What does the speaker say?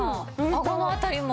あごの辺りも。